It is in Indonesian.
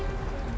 enggak udah kok